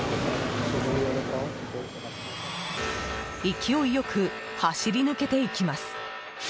勢いよく走り抜けていきます。